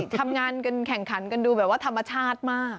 ทำงานกันแข่งขันกันดูแบบว่าธรรมชาติมาก